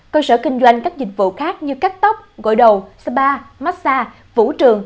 cơ sở kinh doanh các dịch vụ khác như cắt tóc gội đầu spa massage vũ trường